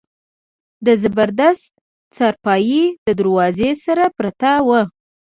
د زبردست څارپايي د دروازې سره پرته وه.